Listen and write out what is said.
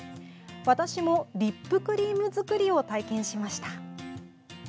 私もリップクリーム作りを体験しました。